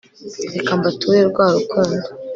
REKA MBATURE RWARUKUNDO